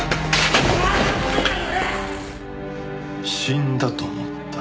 死んだと思った？